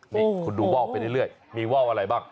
นี่คุณดูว่าวไปเรื่อยมีว่าวอะไรบ้าง